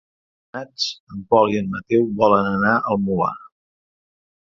Dimarts en Pol i en Mateu volen anar al Molar.